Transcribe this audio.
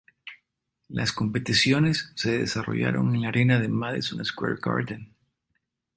Las competiciones se desarrollaron en la arena Madison Square Garden.